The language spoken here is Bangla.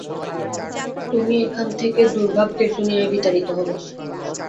তুমি এখান থেকে দুর্ভাগ্যের দুনিয়ায় বিতাড়িত হবে।